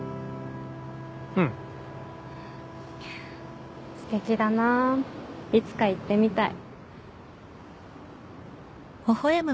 うんすてきだないつか行ってみたい